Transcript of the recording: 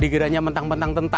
digeraknya mentang mentang tentara